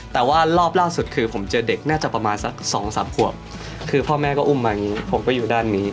แต่ว่ารอบล่าสุดคือผมเจอเด็กน่าจะประมาณสักสองสามขวบคือพ่อแม่ก็อุ้มมาอย่างนี้ผมก็อยู่ด้านนี้